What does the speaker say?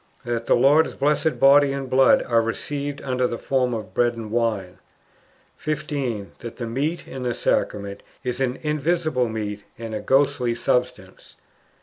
That the Lord's Blessed Body and Blood are received under the form of bread and wine. 15. That the meat in the Sacrament is an invisible meat and a ghostly substance.